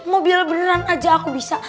mobil beneran aja aku bisa